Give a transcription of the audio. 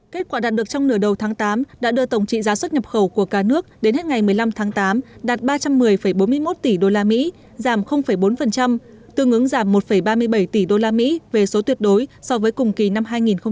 kết quả đạt được trong nửa đầu tháng tám đã đưa tổng trị giá xuất nhập khẩu của cả nước đến hết ngày một mươi năm tháng tám đạt ba trăm một mươi bốn mươi một tỷ usd giảm bốn tương ứng giảm một ba mươi bảy tỷ usd về số tuyệt đối so với cùng kỳ năm hai nghìn một mươi chín